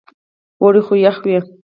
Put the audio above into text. اوړی و خو یخې وې.